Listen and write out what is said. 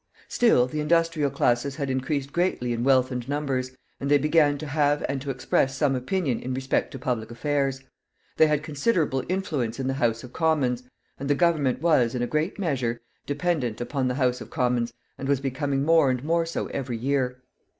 Still, the industrial classes had increased greatly in wealth and numbers, and they began to have and to express some opinion in respect to public affairs. They had considerable influence in the House of Commons; and the government was, in a great measure, dependent upon the House of Commons, and was becoming more and more so every year.